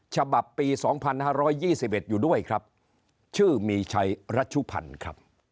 ฉบับปี๒๕๒๑อยู่ด้วยครับชื่อมีชัยรัชุพันธ์ครับ